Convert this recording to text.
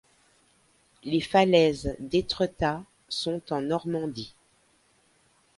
Les falaises d'Étretat sont en Normandie.